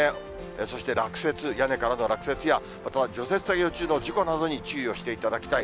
そして落雪、屋根からの落雪や、また除雪作業中の事故などに注意をしていただきたい。